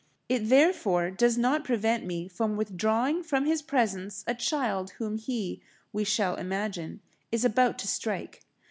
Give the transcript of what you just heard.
It, therefore, does not prevent me from withdrawing from his presence a child whom he, we shall imagine, is about to strike.